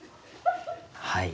はい。